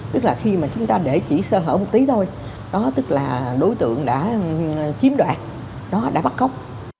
tức là khi mà chúng ta để chỉ sơ hở một tí thôi đó tức là đối tượng đã chiếm đoạt đó đã bắt cóc